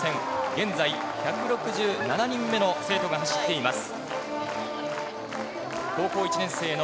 現在、１６７人目の生徒が走っています。